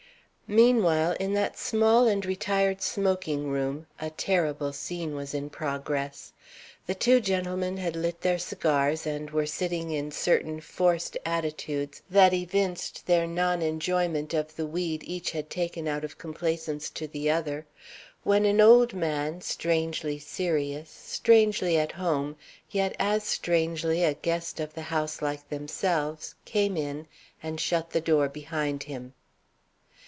Meanwhile in that small and retired smoking room a terrible scene was in progress. The two gentlemen had lit their cigars and were sitting in certain forced attitudes that evinced their non enjoyment of the weed each had taken out of complaisance to the other, when an old man, strangely serious, strangely at home, yet as strangely a guest of the house like themselves, came in, and shut the door behind him.